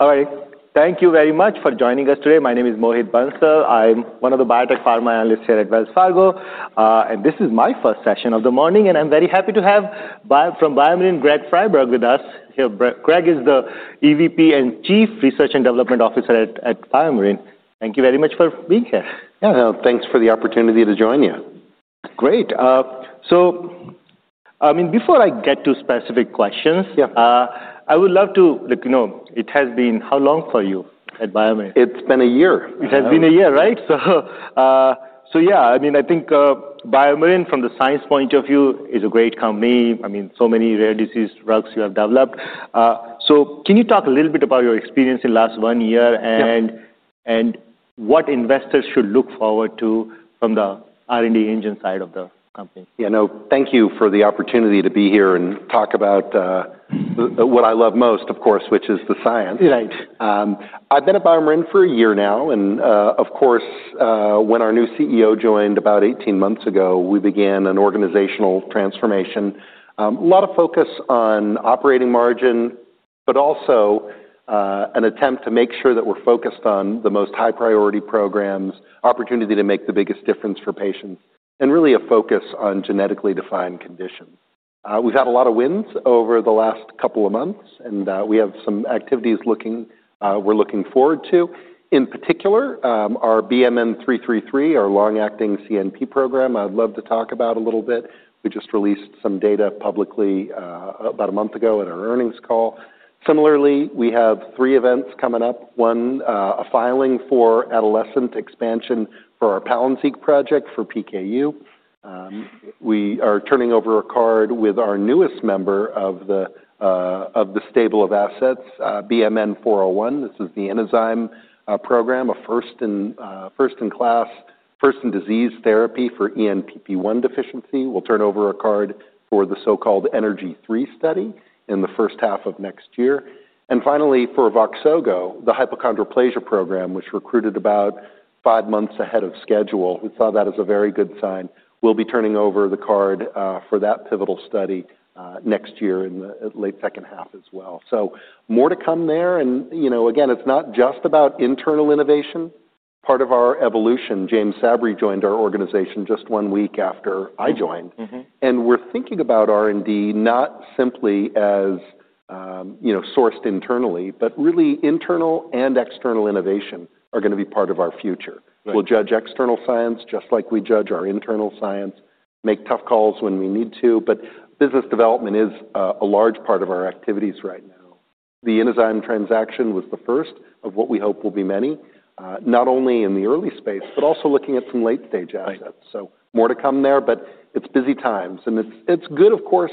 Thank you very much for joining us today. My name is Mohit Bansal. I'm one of the biotech pharma analysts here at Wells Fargo. And this is my first session of the morning, and I'm very happy to have from BioMarin, Greg Fryberg with us. Greg is the EVP and Chief Research and Development Officer at BioMarin. Thank you very much for being here. Yes. Thanks for the opportunity to join you. Great. So I mean, before I get to specific questions, I would love to let you know, it has been how long for you at BioMarin? It's been a year. It has been a year, right? So yes, I mean, I think BioMarin from the science point of view is a great company. I mean, so many rare disease drugs you have developed. So can you talk a little bit about your experience in the last one year? And what investors should look forward to from the R and D engine side of the company. Yes. No, thank you for the opportunity to be here and talk about what I love most, of course, which is the science. I've been at BioMarin for a year now. And of course, when our new CEO joined about eighteen months ago, we began an organizational transformation. A lot of focus on operating margin, but also an attempt to make sure that we're focused on the most high priority programs, opportunity to make the biggest difference for patients and really a focus on genetically defined conditions. We've had a lot of wins over the last couple of months, and we have some activities looking we're looking forward to. In particular, our BMN three thirty three, our long acting CNP program, I'd love to talk about a little bit. We just released some data publicly about a month ago at our earnings call. Similarly, we have three events coming up: one, filing for adolescent expansion for our Palynziq project for PKU. We are turning over a card with our newest member of the stable of assets, BMN401. This is the Enzyme program, a first in class first in disease therapy for ENPP1 deficiency. We'll turn over a card for the so called ENERGY three study in the first half of next year. And finally, for Voxogo, the hypochondroplasia program, which recruited about five months ahead of schedule, we saw that as a very good sign. We'll be turning over the card for that pivotal study next year in the late second half as well. So more to come there. And again, it's not just about internal innovation. Part of our evolution, James Sabri joined our organization just one week after I joined. And we're thinking about R and D not simply as sourced internally, but really internal and external innovation are going to be part of our future. We'll judge external science just like we judge our internal science, make tough calls when we need to. But business development is a large part of our activities right now. The Innosyme transaction was the first of what we hope will be many, not only in the early space, but also looking at some late stage assets. So more to come there, but it's busy times. And it's good, of course,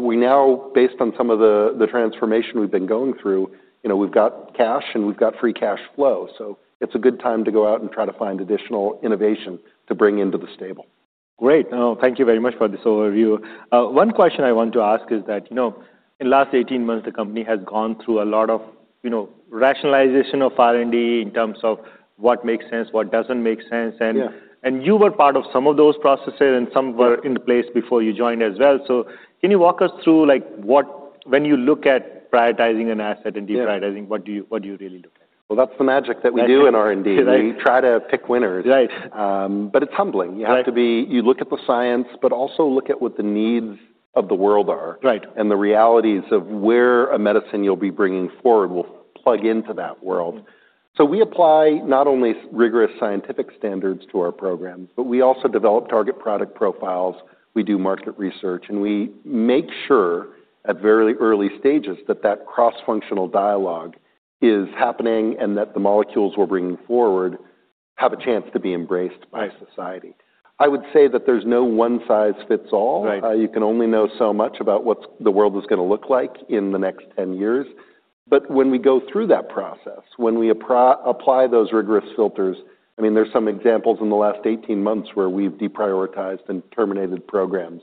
we now based on some of the transformation we've been going through, we've got cash and we've got free cash flow. So it's a good time to go out and try to find additional innovation to bring into the stable. Great. Thank you very much for this overview. One question I want to ask is that in the last eighteen months, the company has gone through a lot of rationalization of R and D in terms of what makes sense, what doesn't make sense. And you were part of some of those processes, and some were in place before you joined as well. So can you walk us through, like, what when you look at prioritizing an asset and deprioritizing, what do you really do? Well, that's the magic that we do in R and D. We try to pick winners. But it's humbling. You have to be you look at the science, but also look at what the needs of the world are. Right. And the realities of where a medicine you'll be bringing forward will plug into that world. So we apply not only rigorous scientific standards to our programs, but we also develop target product profiles. We do market research. And we make sure at very early stages that that cross functional dialogue is happening and that the molecules we're bringing forward have a chance to be embraced by society. I would say that there's no one size fits all. You can only know so much about what the world is going look like in the next ten years. But when we go through that process, when we apply those rigorous filters, mean, I there's some examples in the last eighteen months where we've deprioritized and terminated programs.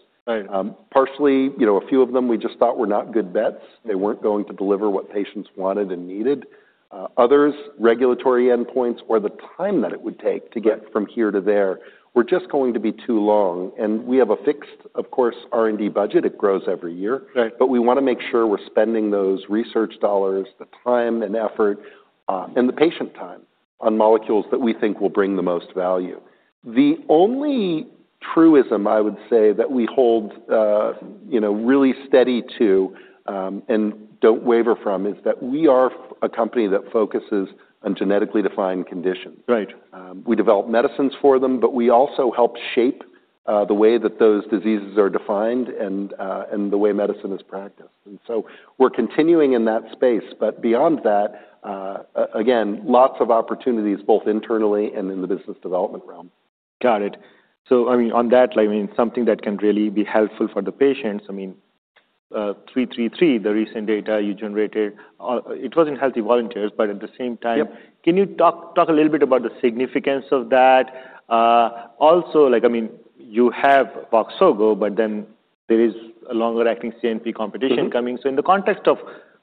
Partially, a few of them we just thought were not good bets. They weren't going to deliver what patients wanted and needed. Others, regulatory endpoints, or the time that it would take to get from here to there were just going to be too long. And we have a fixed, of course, R and D budget. It grows every year. But we want to make sure we're spending those research dollars, the time and effort, and the patient time on molecules that we think will bring the most value. The only truism I would say that we hold really steady to and don't waver from is that we are a company that focuses on genetically defined conditions. We develop medicines for them, but we also help shape the way that those diseases are defined and the way medicine is practiced. And so we're continuing in that space. But beyond that, again, lots of opportunities both internally and in the business development realm. Got it. So I mean, on that, I mean, something that can really be helpful for the patients. I mean, March, the recent data you generated, it was in healthy volunteers, but at the same time, can you talk a little bit about the significance of that? Also, like, I mean, you have Voxsogo, but then there is a longer acting CNP competition coming. In the context of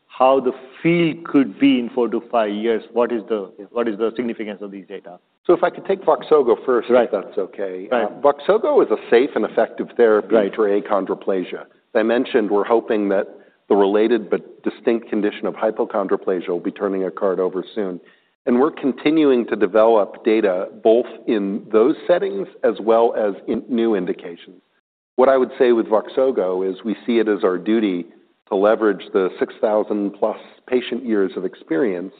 how the field could be in four to five years, what is the significance of these data? So if I could take Voxoggo first, if that's Okay. Voxoggo is a safe and effective therapy for achondroplasia. I mentioned we're hoping that the related but distinct condition of hypochondroplasia will be turning a card over soon. And we're continuing to develop data both in those settings as well as in new indications. What I would say with Voxogo is we see it as our duty to leverage the six thousand plus patient years of experience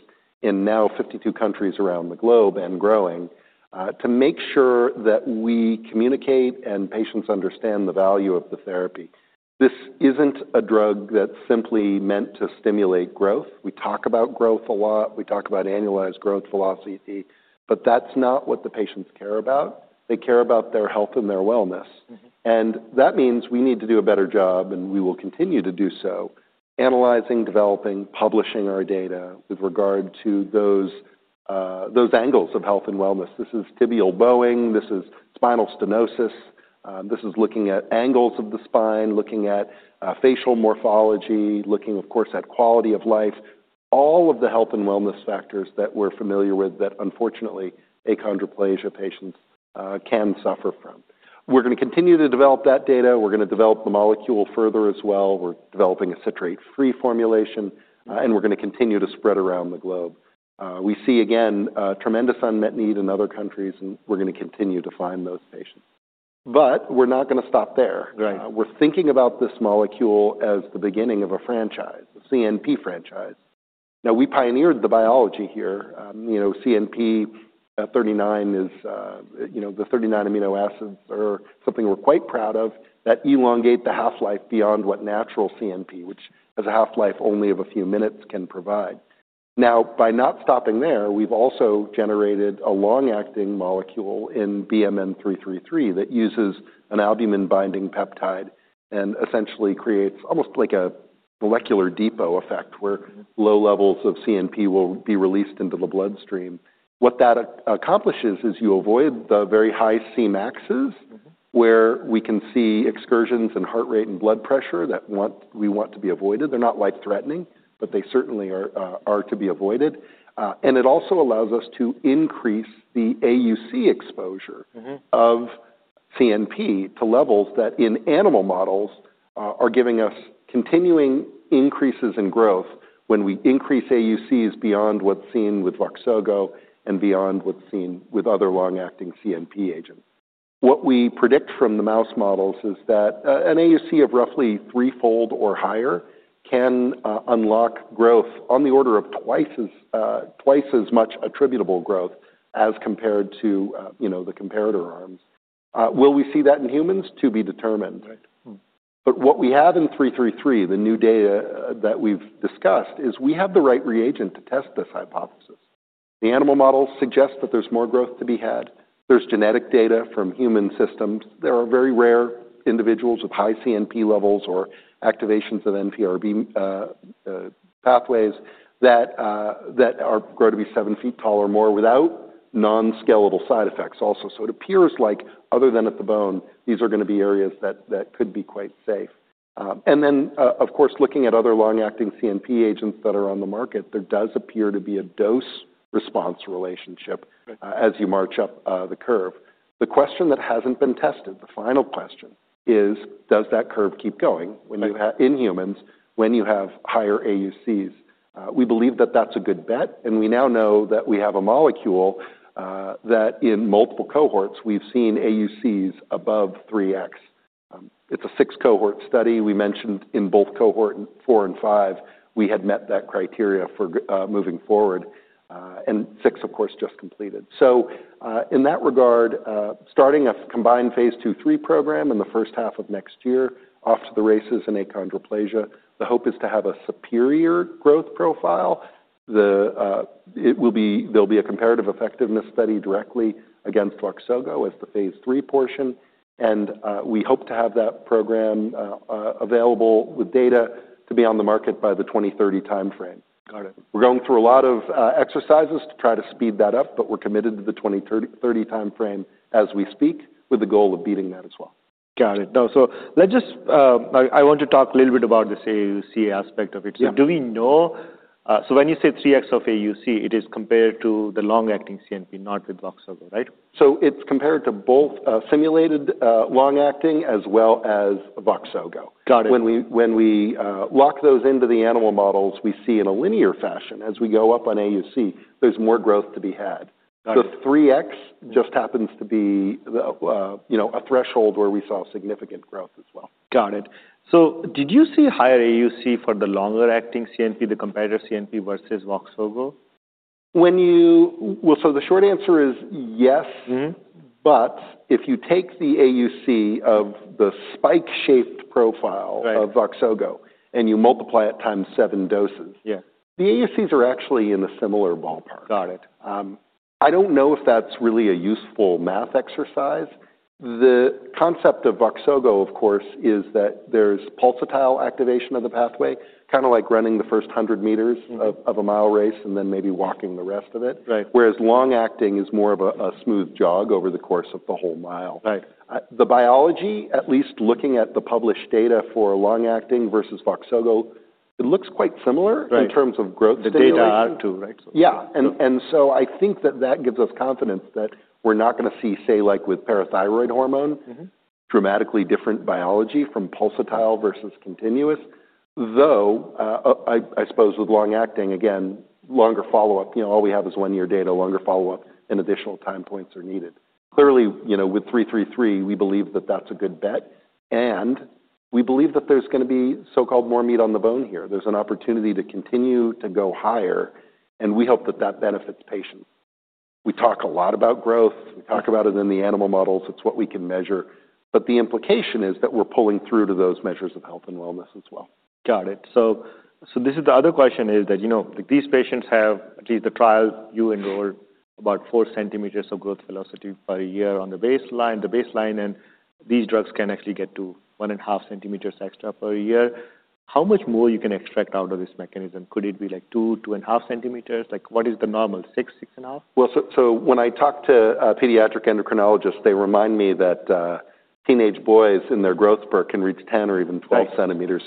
in now 52 countries around the globe and growing to make sure that we communicate and patients understand the value of the therapy. This isn't a drug that's simply meant to stimulate growth. We talk about growth a lot, we talk about annualized growth velocity, but that's not what the patients care about. They care about their health and their wellness. And that means we need to do a better job, and we will continue to do so, analyzing, developing, publishing our data with regard to those angles of health and wellness. This is tibial bowing. This is spinal stenosis. This is looking at angles of the spine, looking at facial morphology, looking of course at quality of life, all of the health and wellness factors that we're familiar with that unfortunately achondroplasia patients can suffer from. We're going to continue to develop that data. We're going to develop the molecule further as well. We're developing a citrate free formulation and we're going to continue to spread around the globe. We see again tremendous unmet need in other countries and we're going to continue to find those patients. But we're not going to stop there. We're thinking about this molecule as the beginning of a franchise, a CNP franchise. Now we pioneered the biology here. CNP 39 is, you know, the 39 amino acids are something we're quite proud of that elongate the half life beyond what natural CNP, which has a half life only of a few minutes can provide. Now by not stopping there, we've also generated a long acting molecule in BMN three thirty three that uses an albumin binding peptide and essentially creates almost like a molecular depot effect where low levels of CNP will be released into the bloodstream. What that accomplishes is you avoid the very high Cmaxs, where we can see excursions in heart rate and blood pressure that we want to be avoided. They're not life threatening, but they certainly are to be avoided. And it also allows us to increase the AUC exposure of CNP to levels that in animal models are giving us continuing increases in growth when we increase AUCs beyond what's seen with Voxogo and beyond what's seen with other long acting CNP agents. What we predict from the mouse models is that an AUC of roughly threefold or higher can unlock growth on the order of twice as much attributable growth as compared to the comparator arms. Will we see that in humans? To be determined. But what we have in March, the new data that we've discussed, is we have the right reagent to test this hypothesis. The animal models suggest that there's more growth to be had. There's genetic data from human systems. There are very rare individuals with high CNP levels or activations of NPRB pathways that grow to be seven feet tall or more without non scalable side effects also. So it appears like other than at the bone, these are going to be areas that could be quite safe. And then, of course, looking at other long acting CNP agents that are on the market, there does appear to be a dose response relationship as you march up the curve. The question that hasn't been tested, the final question, is does that curve keep going in humans when you have higher AUCs? We believe that that's a good bet, and we now know that we have a molecule that in multiple cohorts we've seen AUCs above 3x. It's a six cohort study. We mentioned in both cohort four and five, we had met that criteria for moving forward. And six, of course, just completed. So in that regard, starting a combined phase twothree program in the first half of next year off to the races in achondroplasia. The hope is to have a superior growth profile. It will be there'll be a comparative effectiveness study directly against Loxogo as the Phase III portion. And we hope to have that program available with data to be on the market by the 2030 time frame. Got it. We're going through a lot of exercises to try to speed that up, but we're committed to the 2030 time frame as we speak with the goal of beating that as well. Got it. Now so let's just I want to talk a little bit about this AUC aspect of it. So do we know so when you say 3x of AUC, it is compared to the long acting CNP, not with VOXSOGO, right? So it's compared to both simulated long acting as well as a VoxoGo. Got it. When we lock those into the animal models, we see in a linear fashion. As we go up on AUC, there's more growth to be had. The 3x just happens to be a threshold where we saw significant Got it. So did you see higher AUC for the longer acting CNP, the comparator CNP versus Voxsogo? When you well, so the short answer is yes. But if you take the AUC of the spike shaped profile of Voxsogo and you multiply it times seven doses, the AUCs are actually in a similar ballpark. Got it. I don't know if that's really a useful math exercise. The concept of Voxsogo, of course, is that there's pulsatile activation of the pathway, kind of like running the first 100 meters of a mile race and then maybe walking the rest of it. Whereas long acting is more of a smooth jog over the course of the whole mile. The biology, at least looking at the published data for long acting versus Voxsogo, it looks quite similar in terms of growth data. The data are too, right? Yeah. And so I think that that gives us confidence that we're not going to see, say, like with parathyroid hormone, dramatically different biology from pulsatile versus continuous. Though I suppose with long acting, again, longer follow-up, all we have is one year data, longer follow-up, and additional time points are needed. Clearly, with 03/30 three, we believe that that's a good bet. And we believe that there's going to be so called more meat on the bone here. There's an opportunity to continue to go higher, and we hope that that benefits patients. We talk a lot about growth. We talk about it in the animal models. It's what we can measure. But the implication is that we're pulling through to those measures of health and wellness as well. Got it. So this is the other question is that these patients have, at least the trial, you enrolled about four centimeters of growth velocity per year on the baseline. The baseline, and these drugs can actually get to one and a half centimeters extra per year. How much more you can extract out of this mechanism? Could it be like two, two and a half centimeters? Like what is the normal, six, six and a Well, so when I talk to pediatric endocrinologists, they remind me that teenage boys in their growth spurt can reach 10 or even 12 So centimeters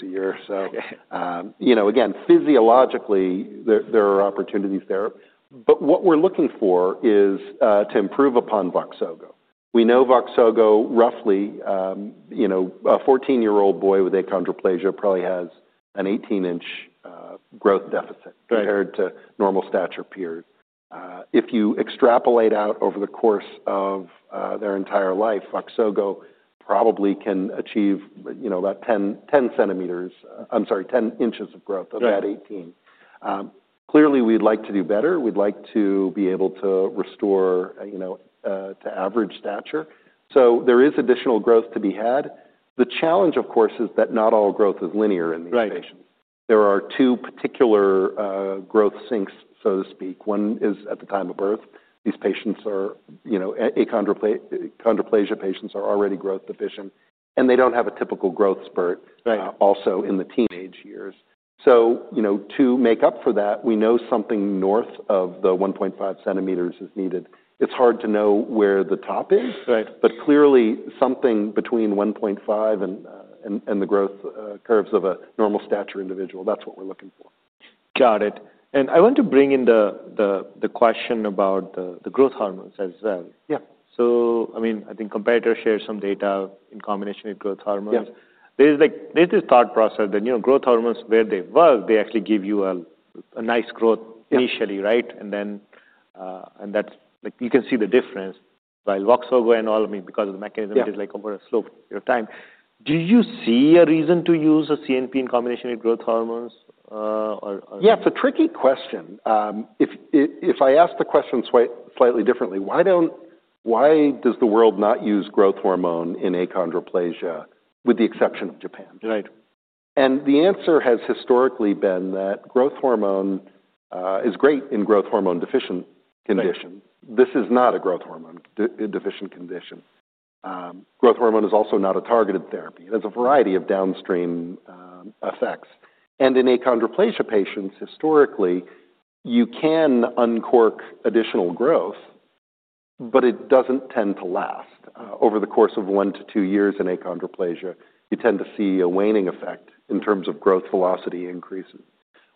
a again, physiologically, there are opportunities there. But what we're looking for is to improve upon Voxsogo. We know Voxsogo roughly, a 14 year old boy with achondroplasia probably has an 18 inches growth deficit compared to normal stature peers. If you extrapolate out over the course of their entire life, Oksogo probably can achieve, you know, about ten ten centimeters I'm sorry, 10 inches of growth of that 18. Clearly, we'd like to do better. We'd like to be able to restore to average stature. So there is additional growth to be had. The challenge, of course, is that not all growth is linear in these patients. There are two particular growth sinks, so to speak. One is at the time of birth. These patients are achondroplasia patients are already growth deficient and they don't have a typical growth spurt also in the teenage years. So to make up for that, we know something north of the 1.5 centimeters is needed. It's hard to know where the top is. But clearly, something between 1.5 and the growth curves of a normal stature individual, that's what we're looking for. Got it. And I want to bring in the the the question about the growth hormones as well. Yeah. So, I mean, I think competitors shared some data in combination with growth hormones. Yeah. There's like, there's this thought process that, you know, growth hormones, where they were, they actually give you a nice growth initially, right? And then, and that's, like, you can see the difference by and all of me, because of the mechanism, it's like over a slope of time. Do you see a reason to use a CNP in combination with growth hormones? Yeah, it's a tricky question. If I ask the question slightly differently, why does the world not use growth hormone in achondroplasia with the exception of Japan? And the answer has historically been that growth hormone is great in growth hormone deficient condition. This is not a growth hormone deficient condition. Growth hormone is also not a targeted therapy. There's a variety of downstream effects. And in achondroplasia patients, historically, you can uncork additional growth, but it doesn't tend to last. Over the course of one to two years in achondroplasia, you tend to see a waning effect in terms of growth velocity increases.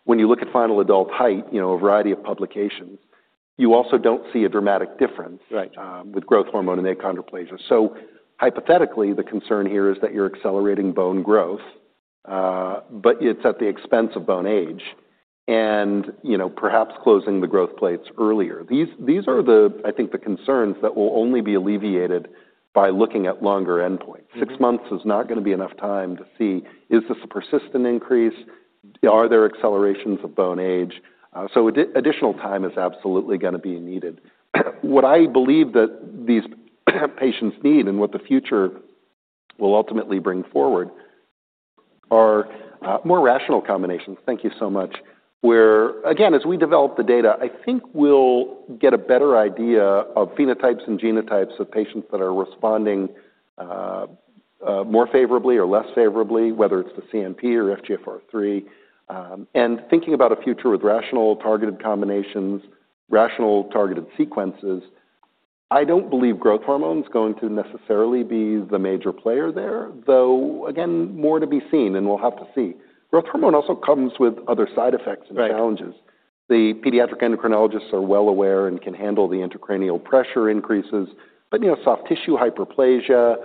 When you look at final adult height, you know, a variety of publications, you also don't see a dramatic difference with growth hormone in achondroplasia. So hypothetically, the concern here is that you're accelerating bone growth, but it's at the expense of bone age and perhaps closing the growth plates earlier. These are, I think, the concerns that will only be alleviated by looking at longer endpoints. Six months is not going to be enough time to see, is this a persistent increase? Are there accelerations of bone age? So additional time is absolutely going to be needed. What I believe that these patients need and what the future will ultimately bring forward are more rational combinations thank you so much where, again, as we develop the data, I think we'll get a better idea of phenotypes and genotypes of patients that responding more favorably or less favorably, whether it's the CNP or FGFR3, and thinking about a future with rational targeted combinations, rational targeted sequences, I don't believe growth hormone is going to necessarily be the major player there, though again, more to be seen, and we'll have to see. Growth hormone also comes with other side effects and challenges. The pediatric endocrinologists are well aware and can handle the intracranial pressure increases. But soft tissue hyperplasia.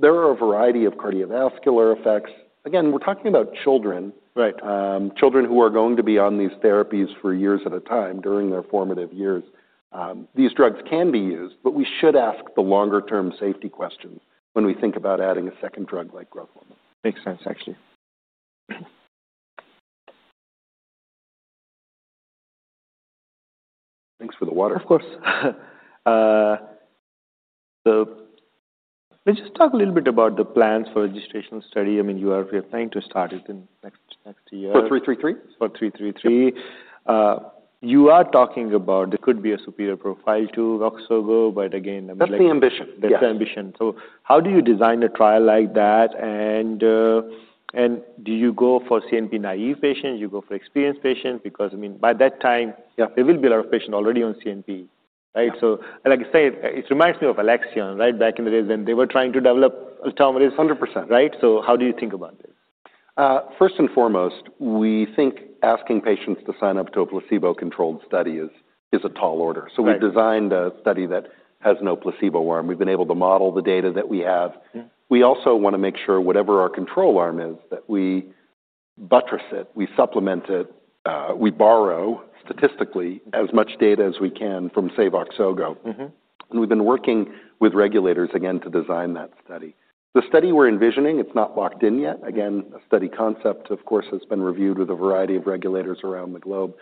There are a variety of cardiovascular effects. Again, we're talking about children, children who are going to be on these therapies for years at a time during their formative years. These drugs can be used. But we should ask the longer term safety question when we think about adding a second drug like growth hormone. Makes sense, actually. Thanks for the water. Of course. So let's just talk a little bit about the plans for registration study. I mean, you are planning to start it in next next year. For March? For March. You are talking about there could be a superior profile to Roxulgo, but again, I'm That's the ambition. That's the ambition. So how do you design a trial like that? And and do you go for CNP naive patients? You go for experienced patients? Because, I mean, by that time, there will be a lot of patients already on CNP, right? So like I say, it reminds me of Alexion, right, back in the days when they were trying to develop Alzheimer's. One hundred percent. Right? So how do you think about this? First and foremost, we think asking patients to sign up to a placebo controlled study is a tall order. So we've designed a study that has no placebo arm. We've been able to model the data that we have. We also want to make sure whatever our control arm is that we buttress it. We supplement it. We borrow statistically as much data as we can from Save Oxogo. And we've been working with regulators again to design that study. The study we're envisioning, it's not locked in yet. Again, a study concept, of course, has been reviewed with a variety of regulators around the globe.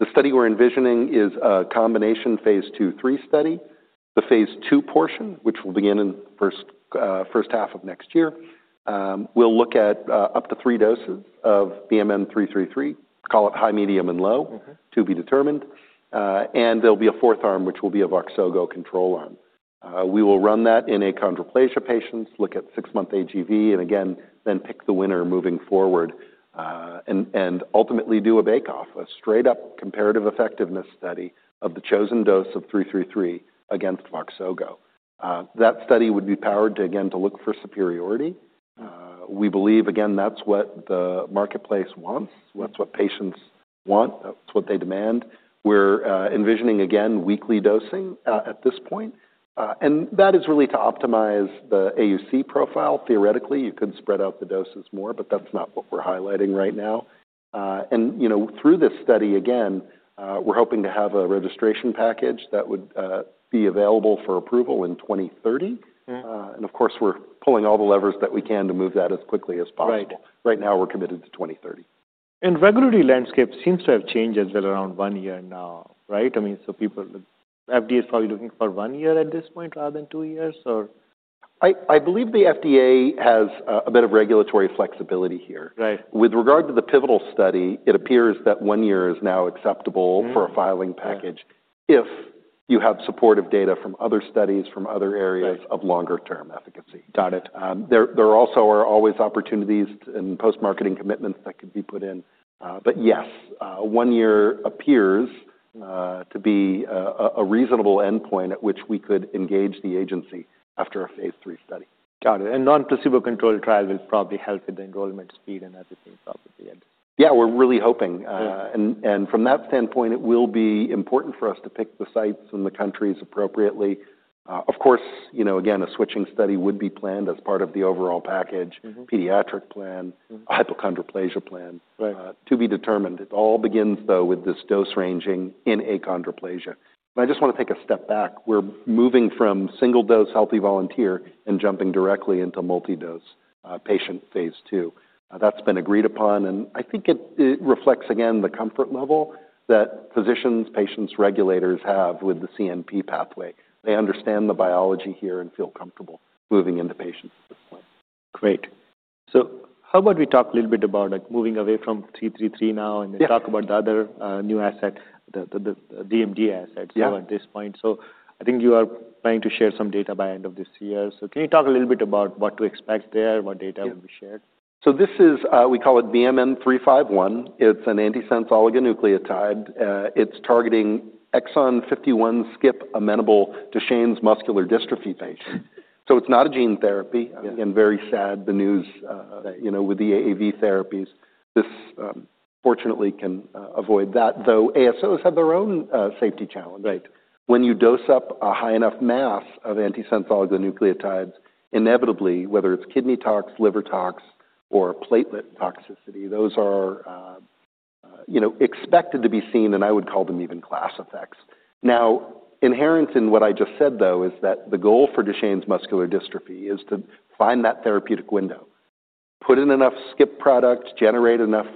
The study we're envisioning is a combination Phase IIIII study. The Phase II portion, which will begin in the first half of next year, We'll look at up to three doses of BMN three thirty three, call it high, medium, and low to be determined. And there'll be a fourth arm, which will be a Voxogo control arm. We will run that in achondroplasia patients, look at six month AGV, and again then pick the winner moving forward and ultimately do a bake off, a straight up comparative effectiveness study of the chosen dose of three thirty three against VOXZOGO. That study would be powered to again to look for superiority. We believe, again, that's what the marketplace wants. That's what patients want. That's what they demand. We're envisioning, again, weekly dosing at this point. And that is really to optimize the AUC profile. Theoretically, you could spread out the doses more, but that's not what we're highlighting right now. And through this study, again, we're hoping to have a registration package that would be available for approval in 02/1930. And of course, we're pulling all the levers that we can to move that as quickly as possible. Right now, we're committed to 02/1930. And regulatory landscape seems to have changed as well around one year now, right? I mean, so people FDA is probably looking for one year at this point rather than two years, or I believe the FDA has a bit of regulatory flexibility flexibility here. Here. With regard to the pivotal study, it appears that one year is now acceptable for a filing package if you have supportive data from other studies from other areas of longer term efficacy. Got it. There also are always opportunities and post marketing commitments that could be put in. But yes, one year appears to be a reasonable endpoint at which we could engage the agency after a Phase III study. Got it. And non placebo controlled trial will probably help with the enrollment speed and at the same time? Yeah, we're really hoping. And from that standpoint, it will be important for us to pick the sites and the countries appropriately. Of course, again, a switching study would be planned as part of the overall package, pediatric plan, a hypochondroplasia plan to be determined. It all begins, though, with this dose ranging in achondroplasia. I just want to take a step back. We're moving from single dose healthy volunteer and jumping directly into multi dose patient phase two. That's been agreed upon, and I think it reflects again the comfort level that physicians, patients, regulators have with the CNP pathway. They understand the biology here and feel comfortable moving into patients at this point. Great. So how about we talk a little bit about, like, moving away from $3.33 now, and then talk about the other new asset, the DMD asset, So so at this I think you are planning to share some data by end of this year. So can you talk a little bit about what to expect there, what data will this is we call it BMN351. It's an antisense oligonucleotide. It's targeting exon 51 skip amenable to Shane's muscular dystrophy patient. So it's not a gene therapy. Again, very sad, the news with the AAV therapies. This fortunately can avoid that, though ASOs have their own safety challenge. When you dose up a high enough mass of antisense oligonucleotides, inevitably, whether it's kidney tox, liver tox, or platelet toxicity, those are expected to be seen, and I would call them even class effects. Now inherent in what I just said though is that the goal for Duchenne's muscular dystrophy is to find that therapeutic window. Put in enough skip product, generate enough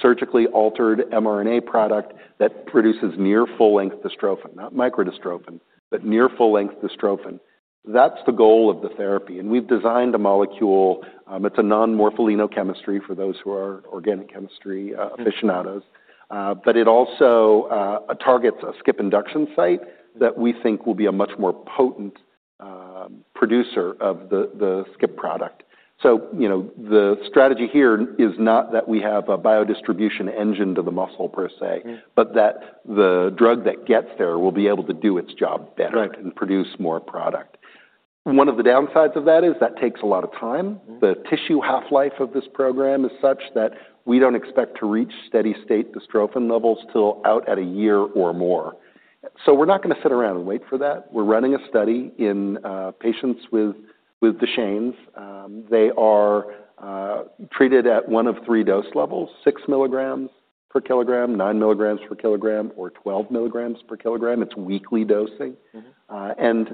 surgically altered mRNA product that produces near full length dystrophin, not microdystrophin, but near full length dystrophin. That's the goal of the therapy. And we've designed a molecule. It's a non morpholinochemistry for those who are organic chemistry aficionados. But it also targets a skip induction site that we think will be a much more potent producer of the skip product. So the strategy here is not that we have a biodistribution engine to the muscle per se, but that the drug that gets there will be able to do its job better and produce more product. One of the downsides of that is that takes a lot of time. The tissue half life of this program is such that we don't expect to reach steady state dystrophin levels till out at a year or more. So we're not going to sit around and wait for that. We're running a study in patients with Duchenne's. They are treated at one of three dose levels, six milligrams per kilogram, nine milligrams per kilogram, or twelve milligrams per kilogram. It's weekly dosing. And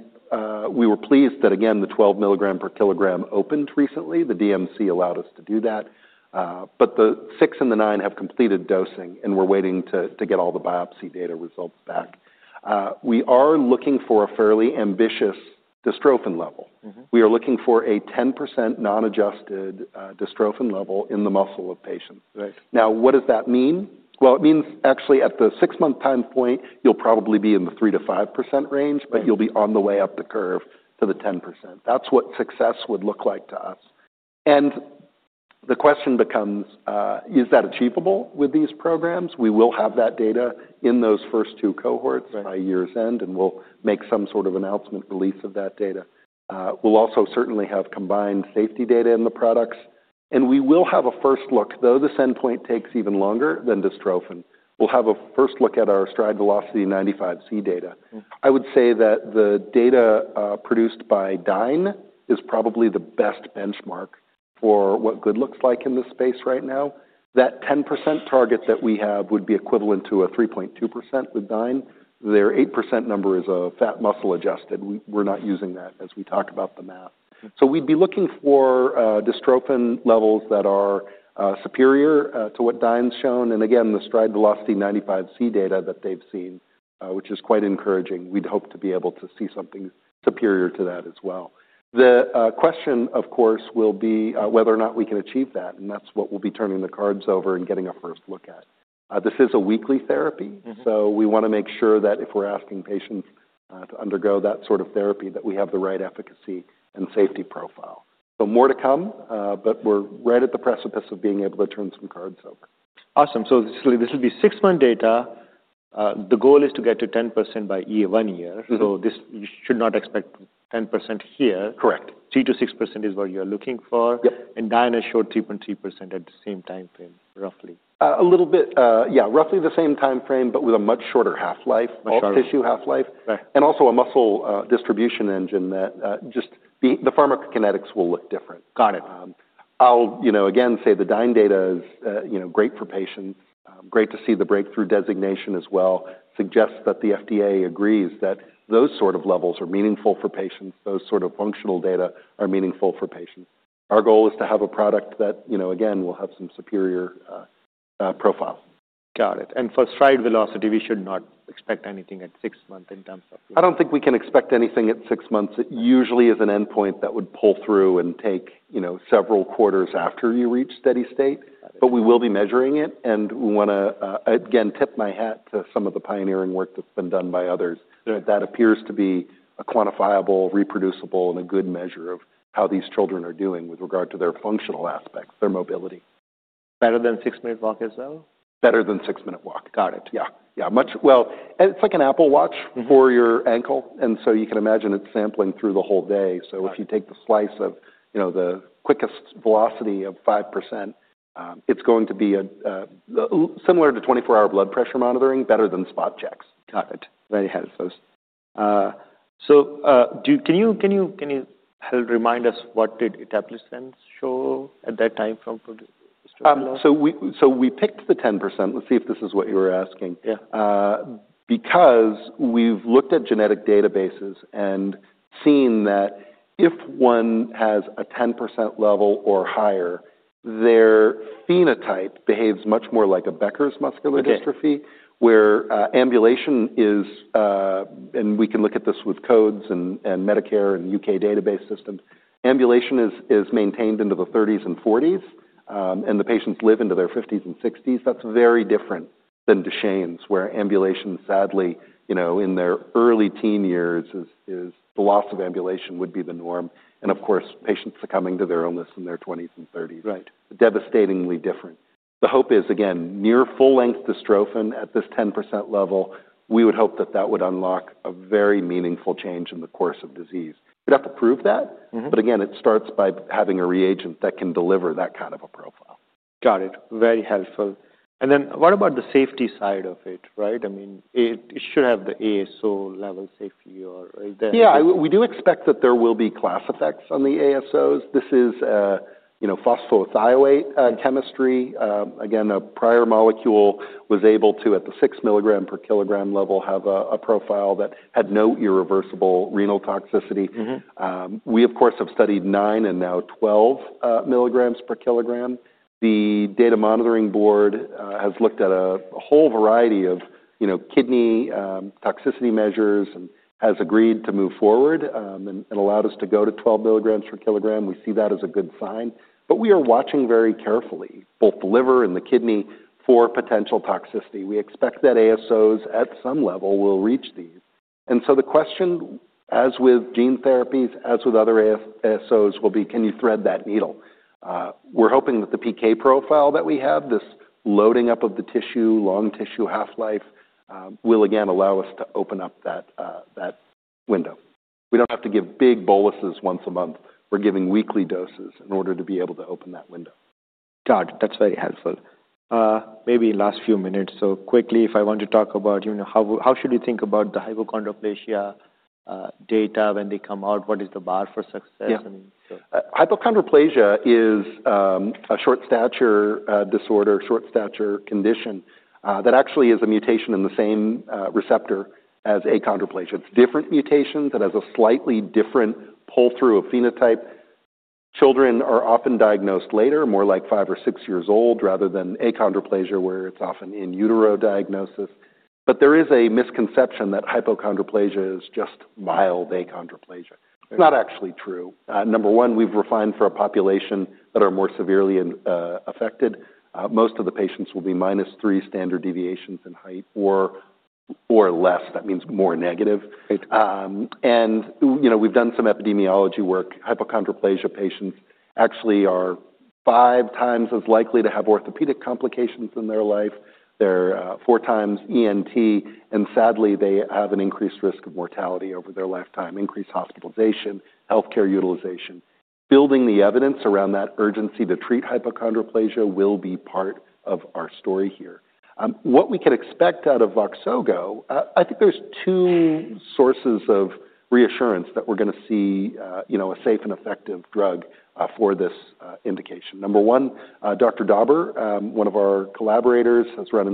we were pleased that, again, the twelve milligram per kilogram opened recently. The DMC allowed us to do that. But the six and the nine have completed dosing, and we're waiting to get all the biopsy data results back. We are looking for a fairly ambitious dystrophin level. We are looking for a 10% non adjusted dystrophin level in the muscle of patients. Now what does that mean? Well, means actually at the six month time point, you'll probably be in the three percent to 5% range. But you'll be on the way up the curve to the ten percent. That's what success would look like to us. And the question becomes, is that achievable with these programs? We will have that data in those first two cohorts by year's end, and we'll make some sort of announcement release of that data. We'll also certainly have combined safety data in the products. And we will have a first look, though this endpoint takes even longer than dystrophin. We'll have a first look at our stride velocity 95C data. I would say that the data produced by Dine is probably the best benchmark for what good looks like in this space right now. That 10% target that we have would be equivalent to a 3.2% with Dyne. Their 8% number is fat muscle adjusted. We're not using that as we talk about the math. So we'd be looking for dystrophin levels that are superior to what Dyne's shown. And again, the Stride Velocity 95C data that they've seen, which is quite encouraging. We'd hope to be able to see something superior to that as well. The question, course, will be whether or not we can achieve that. And that's what we'll be turning the cards over and getting a first look at. This is a weekly therapy. So we want to make sure that if we're asking patients to undergo that sort of therapy, that we have the right efficacy and safety profile. But more to come, but we're right at the precipice of being able to turn some cards over. Awesome. So this will be six month data. The goal is to get to expect ten percent here. Correct. Three to six percent is what you are looking for? Yep. And Diana showed three point three percent at the same time frame, roughly. A little bit. Yeah. Roughly the same time frame, but with a much shorter half life, much shorter tissue half life. And also a muscle distribution engine that just the pharmacokinetics will look different. Got it. I'll, you know, again, say the DINE data is great for patients. Great to see the breakthrough designation as well suggests that the FDA agrees that those sort of levels are meaningful for patients. Those sort of functional data are meaningful for patients. Our goal is to have a product that, again, will have some superior profile. Got it. And for stride velocity, we should not expect anything at six months in terms of I don't think we can expect anything at six months. It usually is an endpoint that would pull through and take several quarters after you reach steady state. But we will be measuring it. And we want to, again, tip my hat to some of the pioneering work that's been done by others. That appears to be a quantifiable, reproducible, and a good measure of how these children are doing with regard to their functional aspects, their mobility. Better than six minute walk as well? Better than six minute walk. Got it. Yeah. Yeah. Much well, it's like an Apple Watch for your ankle. And so you can imagine it's sampling through the whole day. If you take the slice of the quickest velocity of 5%, it's going to be similar to twenty four hour blood pressure monitoring, better than spot checks. Got it. So can you help remind us what did etaplisense show at that time from So we picked the 10%. Let's see if this is what you were asking. Because we've looked at genetic databases and seen that if one has a 10 level or higher, their phenotype behaves much more like a Becker's muscular dystrophy, where ambulation is and we can look at this with codes and Medicare and UK database system. Ambulation is maintained into the 30s and 40s, and the patients live into their 50s and 60s. That's very different than Duchenne's where ambulation sadly, you know, in their early teen years is the loss of ambulation would be the norm. And of course, succumbing to their illness in their 20s and 30s, devastatingly different. The hope is, again, near full length dystrophin at this ten percent level, we would hope that that would unlock a very meaningful change in the course of disease. We'd have to prove that. But again, it starts by having a reagent that can deliver that kind of a profile. Got it. Very helpful. And then what about the safety side of it, right? I mean, it should have the ASO level safety, or is there Yeah, we do expect that there will be class effects on the ASOs. This is phosphothioate chemistry. Again, a prior molecule was able to, at the six milligram per kilogram level, have a profile that had no irreversible renal toxicity. We, of course, have studied nine and now twelve milligrams per kilogram. The data monitoring board has looked at a whole variety of kidney toxicity measures and has agreed to move forward and allowed us to go to twelve milligrams per kilogram. We see that as a good sign. But we are watching very carefully, both the liver and the kidney, for potential toxicity. We expect that ASOs at some level will reach these. And so the question, as with gene therapies, as with other ASOs, will be can you thread that needle? We're hoping that the PK profile that we have, this loading up of the tissue, long tissue half life, will again allow us to open up that window. We don't have to give big boluses once a month. We're giving weekly doses in order to be able to open that window. Got it. That's very helpful. Maybe last few minutes. So quickly, if I want to talk about, how should we think about the hypochondroplasia data when they come out? What is the bar for success? Hypochondroplasia is a short stature disorder, short stature condition that actually is a mutation in the same receptor as achondroplasia. It's different mutations. It has a slightly different pull through of phenotype. Children are often diagnosed later, more like five or six years old, rather than achondroplasia where it's often in utero diagnosis. But there is a misconception that hypochondroplasia is just mild achondroplasia. It's not actually true. Number one, we've refined for a population that are more severely affected. Most of the patients will be minus three standard deviations in height or less. That means more negative. And we've done some epidemiology work. Hypochondroplasia patients actually are five times as likely to have orthopedic complications in their life. They're four times ENT. And sadly, they have an increased risk of mortality over their lifetime, increased hospitalization, health care utilization. Building the evidence around that urgency to treat hypochondroplasia will be part of our story here. What we can expect out of Voxogo, I think there's two sources of reassurance that we're going to see a safe and effective drug for this indication. Number one, Doctor. Dauber, one of our collaborators, has run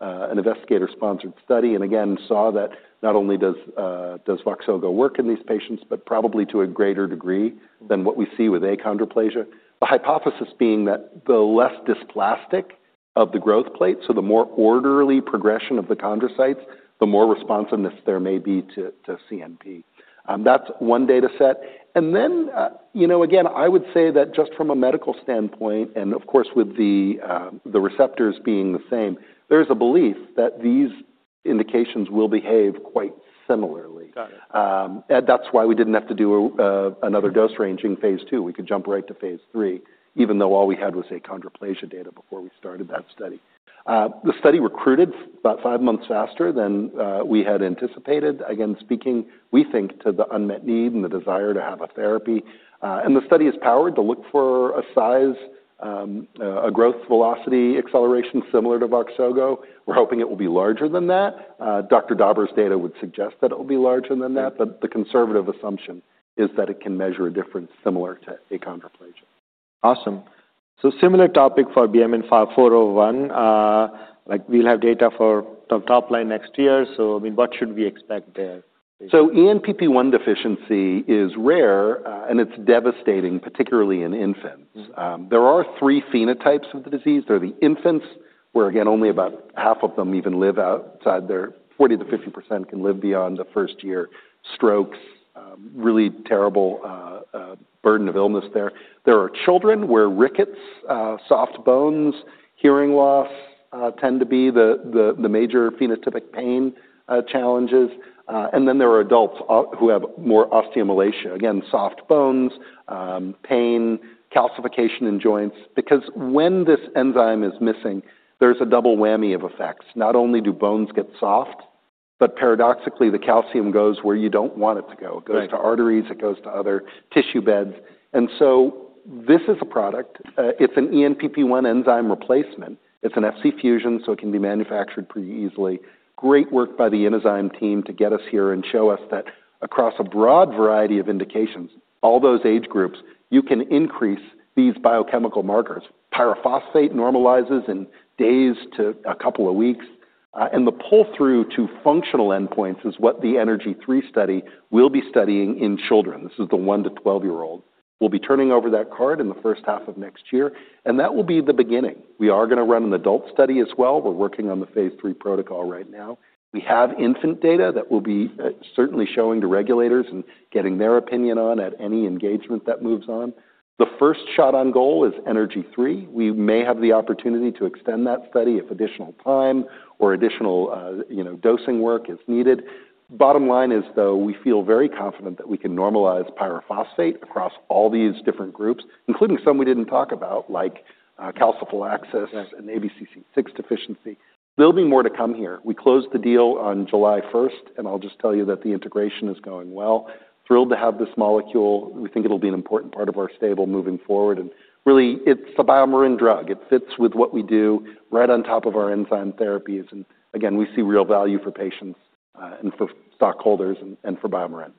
an investigator sponsored study and again saw that not only does Voxelgo work in these patients, but probably to a greater degree than what we see with achondroplasia, the hypothesis being that the less dysplastic of the growth plate, so the more orderly progression of the chondrocytes, the more responsiveness there may be to CMP. That's one data set. And then again, I would say that just from medical standpoint, and of course, with the receptors being the same, there is a belief that these indications will behave quite similarly. Got it. And that's why we didn't have to do another dose ranging phase two. We could jump right to phase three, even though all we had was achondroplasia data before we started that study. The study recruited about five months faster than we had anticipated, again speaking, we think, to the unmet need and the desire to have a therapy. And the study is powered to look for a size, a growth velocity acceleration similar to Voxsogo. We're hoping it will be larger than that. Doctor. Dauber's data would suggest that it will be larger than that. But the conservative assumption is that it can measure a difference similar to achondroplasia. Awesome. So similar topic for BMN four zero one. Like, we'll have data for top line next year. So I mean, what should we expect there? So ENPP1 deficiency is rare, and it's devastating, particularly in infants. There are three phenotypes of the disease. There are the infants, where, again, only about half of them even live outside their forty percent to fifty percent can live beyond the first year strokes, really terrible burden of illness there. There are children where rickets, soft bones, hearing loss tend to be the major phenotypic pain challenges. And then there are adults who have more osteomalacia, again, soft bones, pain, calcification in joints. Because when this enzyme is missing, there's a double whammy of effects. Not only do bones get soft, but paradoxically the calcium goes where you don't want it to go. It goes to arteries. It goes to other tissue beds. And so this is a product. It's an ENPP1 enzyme replacement. It's an Fc fusion, so it can be manufactured pretty easily. Great work by the Enazyme team to get us here and show us that across a broad variety of indications, all those age groups, you can increase these biochemical markers. Pyrophosphate normalizes in days to a couple of weeks. And the pull through to functional endpoints is what the ENERGY three study will be studying in children. This is the one to 12 year old. We'll be turning over that card in the first half of next year. And that will be the beginning. We are going to run an adult study as well. We're working on the phase three protocol right now. We have infant data that we'll be certainly showing to regulators and getting their opinion on at any engagement that moves on. The first shot on goal is ENERGY three. We may have the opportunity to extend that study if additional time or additional dosing work is needed. Bottom line is, though, we feel very confident that we can normalize pyrophosphate across all these different groups, including some we didn't talk about, like calyphylaxis and ABCC6 deficiency. There'll be more to come here. We closed the deal on July 1, and I'll just tell you that the integration is going well. Thrilled to have this molecule. We think it will be an important part of our stable moving forward. And really, it's a BioMarin drug. It fits with what we do right on top of our enzyme therapies. And again, we see real value for patients and for stockholders and for BioMarin.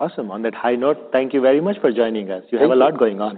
Awesome. On that high note, thank you very much for joining us. You have a lot going on.